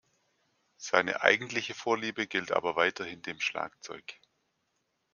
Seine eigentliche Vorliebe gilt aber weiterhin dem Schlagzeug.